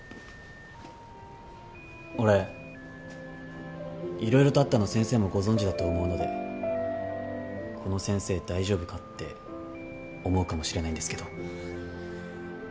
俺色々とあったの先生もご存じだと思うのでこの先生大丈夫かって思うかもしれないんですけど。